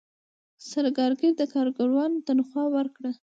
سرکارګر د کارګرو تنخواه ورکړه.